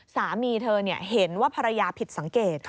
สามีเธอเห็นว่าภรรยาผิดสังเกต